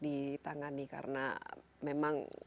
ditangani karena memang